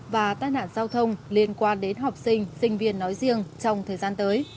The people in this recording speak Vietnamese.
và tai nạn giao thông liên quan đến học sinh sinh viên nói riêng trong thời gian tới